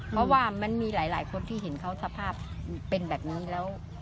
เพราะว่ามันมีหลายคนที่เห็นเขาสภาพเป็นแบบนี้แล้ว